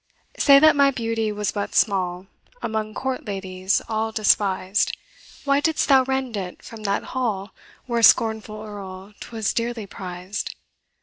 Say that my beauty was but small, Among court ladies all despised, Why didst thou rend it from that hall Where, scornful Earl, 'twas dearly prized?